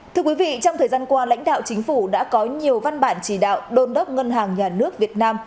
thưa quý vị trong thời gian qua lãnh đạo chính phủ đã có nhiều văn bản chỉ đạo đôn đốc ngân hàng nhà nước việt nam